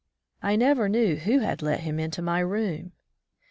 I never knew who had let him into my room